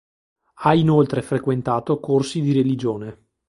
Ha inoltre frequentato corsi di religione.